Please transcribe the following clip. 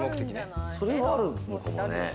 それがあるのかもね。